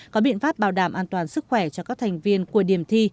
có biện pháp bảo đảm an toàn sức khỏe cho các thành viên của điểm thi